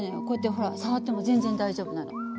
こうやってほら触っても全然大丈夫なの。